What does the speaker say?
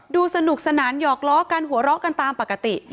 ดูสนุกสนานหยอกล้อกันหัวเราะกันตามปกติ